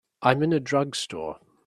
I'm in a drugstore.